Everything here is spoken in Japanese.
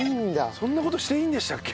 そんな事していいんでしたっけ？